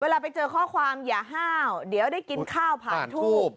เวลาไปเจอข้อความอย่าห้าวเดี๋ยวได้กินข้าวผ่านทูบ